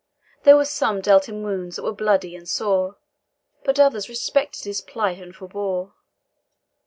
There were some dealt him wounds that were bloody and sore, But others respected his plight, and forbore.